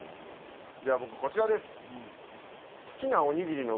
じゃあ僕こちらです。